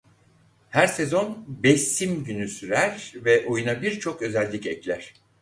Her sezon beş Sim günü sürer ve oyuna birçok özellik ekler.